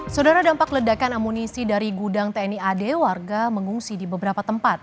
saudara dampak ledakan amunisi dari gudang tni ad warga mengungsi di beberapa tempat